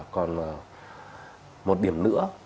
còn một điểm nữa